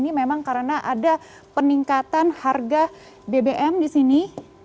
ini memang karena ada peningkatan harga bbm di sini